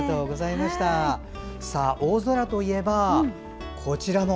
大空といえばこちらも。